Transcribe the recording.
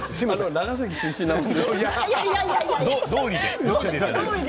長崎出身なんで。